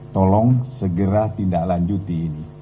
tolong segera tindak lanjuti ini